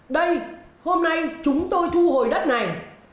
đây hôm nay chúng tôi thu hồi đất này